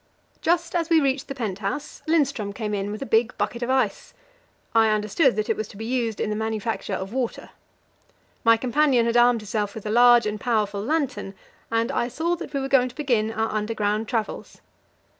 Just as we reached the pent house, Lindström came in with a big bucket of ice; I understood that it was to be used in the manufacture of water. My companion had armed himself with a large and powerful lantern, and I saw that we were going to begin our underground travels.